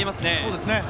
そうですね。